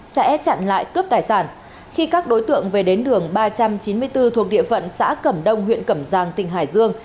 sẽ chặn lại cướp tài sản khi các đối tượng về đến đường ba trăm chín mươi bốn thuộc địa phận xã cẩm đông huyện cẩm giang tỉnh hải dương